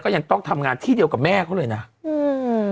ยังต้องทำงานที่เดียวกับแม่เขาเลยนะอืม